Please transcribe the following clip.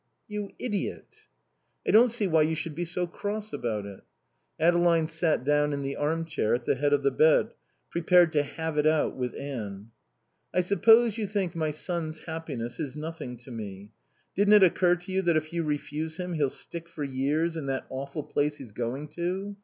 "You idiot." "I don't see why you should be so cross about it." Adeline sat down in the armchair at the head of the bed, prepared to "have it out" with Anne. "I suppose you think my son's happiness is nothing to me? Didn't it occur to you that if you refuse him he'll stick for years in that awful place he's going to?